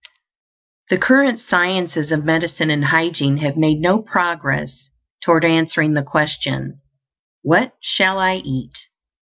The current sciences of medicine and hygiene have made no progress toward answering the question, What shall I eat?